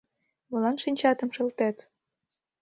Молан шинчатым шылтет?